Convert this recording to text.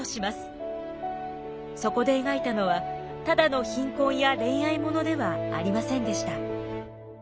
そこで描いたのはただの貧困や恋愛物ではありませんでした。